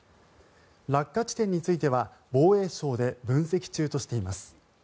落下地点については、防衛省で分析中としています。